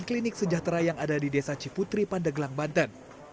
klinik sejahtera yang ada di desa ciputri pandeglang banten